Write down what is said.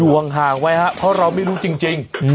ห่วงห่างไว้ครับเพราะเราไม่รู้จริง